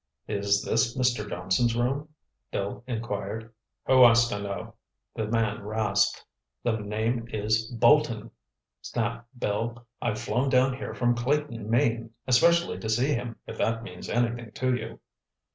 "Is this Mr. Johnson's room?" Bill inquired. "Who wants to know?" the man rasped. "The name is Bolton," snapped Bill. "I've flown down here from Clayton, Maine, especially to see him if that means anything to you."